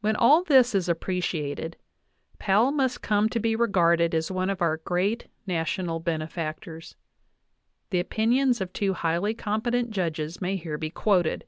When all this is appreciated, Powell must come to be re 1 garded as one of our great national benefactors. The opinions \ of two highly competent judges may here be quoted.